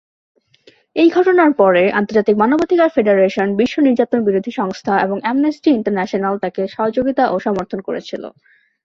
এই ঘটনার পরে আন্তর্জাতিক মানবাধিকার ফেডারেশন, বিশ্ব নির্যাতন বিরোধী সংস্থা এবং অ্যামনেস্টি ইন্টারন্যাশনাল তাকে সহযোগিতা ও সমর্থন করেছিল।